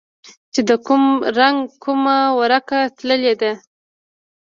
چې د کوم رنگ کومه ورقه تللې ده.